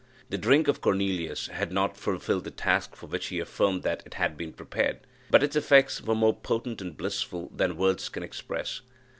The drink of Cornelius had not fulfilled the task for which he affirmed that it had been prepared, but its effects were more potent and blissful than words can express.